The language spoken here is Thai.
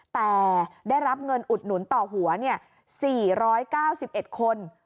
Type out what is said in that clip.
แต่ได้รับเงินอุดหนุนต่อหัว๔๙๑คน